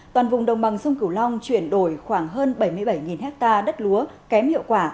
toàn vùng đồng bằng sông cửu long chuyển đổi khoảng hơn bảy mươi bảy ha đất lúa kém hiệu quả